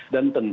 dan tentu ada